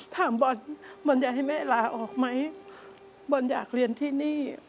ถามบอลบอลอยากให้แม่ลาออกไหมบอลอยากเรียนที่นี่